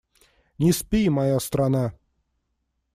Не спи, моя страна!